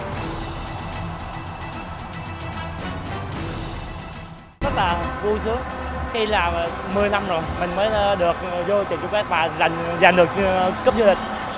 rất là vui sướng khi là một mươi năm rồi mình mới được vô trận chung kết và giành được cup du lịch